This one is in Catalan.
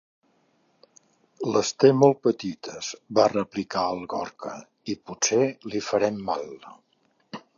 Les té molt petites —va replicar el Gorka—, i potser li farem mal.